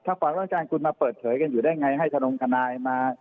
ถ้าความลับราชการคุณมาเปิดเผยกันอยู่ได้ไงให้ทะนมคณายมา